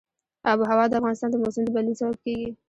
آب وهوا د افغانستان د موسم د بدلون سبب کېږي.